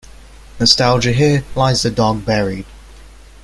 Nostalgia Here lies the dog buried.